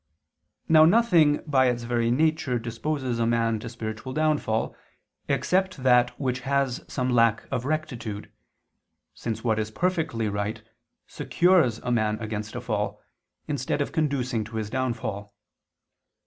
Now nothing by its very nature disposes a man to spiritual downfall, except that which has some lack of rectitude, since what is perfectly right, secures man against a fall, instead of conducing to his downfall.